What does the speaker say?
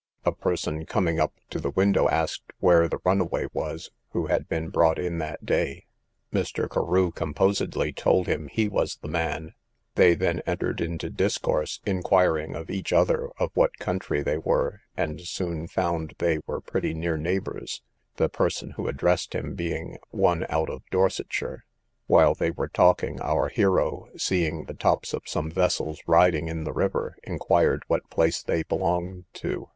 A person coming up to the window, asked where the runaway was, who had been brought in that day, Mr. Carew composedly told him he was the man; they then entered into discourse, inquiring of each other of what country they were, and soon found they were pretty near neighbours, the person who addressed him being one out of Dorsetshire. While they were talking, our hero seeing the tops of some vessels riding in the river, inquired what place they belonged to.